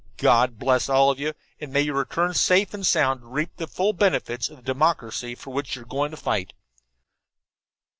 God bless all of you, and may you return safe and sound to reap the full benefits of the democracy for which you are going to fight."